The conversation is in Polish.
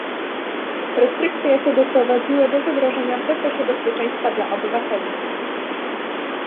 Restrykcje te doprowadziły do zagrożenia w zakresie bezpieczeństwa dla obywateli